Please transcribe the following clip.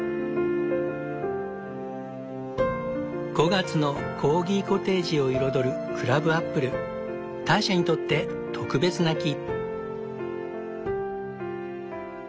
５月のコーギコテージを彩るターシャにとって特別な木。